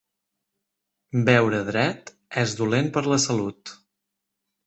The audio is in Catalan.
Beure dret és dolent per a la salut.